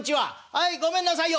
はいごめんなさいよ」。